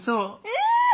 え！